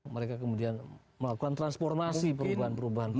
mereka kemudian melakukan transformasi perubahan perubahan